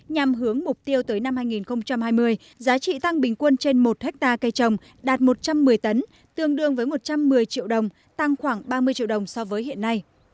nhằm hướng mục tiêu tới năm hai nghìn hai mươi giá trị tăng bình quân trên một hectare cây trồng đạt một trăm một mươi tấn tương đương với một trăm một mươi triệu đồng tăng khoảng ba mươi triệu đồng so với hiện nay